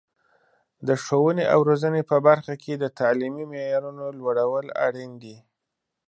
د ښوونې او روزنې په برخه کې د تعلیمي معیارونو لوړول اړین دي.